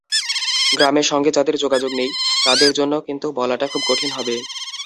গ্রামের সঙ্গে যাদের যোগাযোগ নেই, তাদের জন্য কিন্তু বলাটা খুব কঠিন হবে।